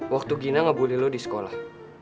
waktu gina ngebully lo di sekolah